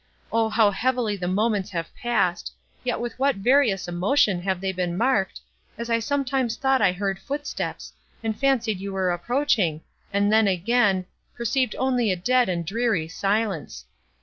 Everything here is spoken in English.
O how heavily the moments have passed, yet with what various emotion have they been marked, as I sometimes thought I heard footsteps, and fancied you were approaching, and then again—perceived only a dead and dreary silence!